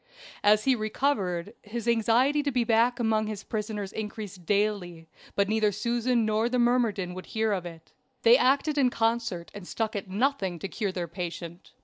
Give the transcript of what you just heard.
As he recovered, his anxiety to be back among his prisoners increased daily, but neither Susan nor the myrmidon would hear of it. They acted in concert, and stuck at nothing to cure their patient.